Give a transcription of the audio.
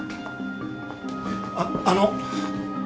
あっあの。